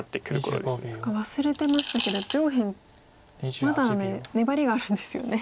忘れてましたけど上辺まだ粘りがあるんですよね。